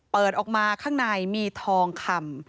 เปิดออกมาข้างในมีทองคำ